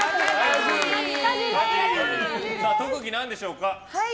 特技なんでしょうか。